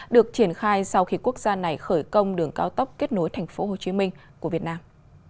được triển khai sau khi quốc gia này khởi công đường cao tốc kết nối thành phố hồ chí minh của việt nam